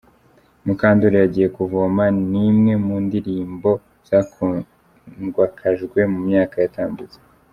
Mukandori yagiye kuvoma’ ni imwe mu ndirimbo zakundwakajwe mu myaka yatambutse.